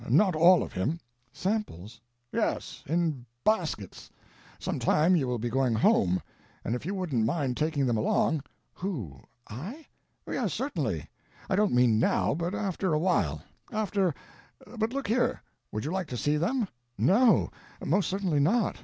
Not all of him." "Samples?" "Yes—in baskets. Some time you will be going home; and if you wouldn't mind taking them along—" "Who? I?" "Yes—certainly. I don't mean now; but after a while; after—but look here, would you like to see them?" "No! Most certainly not.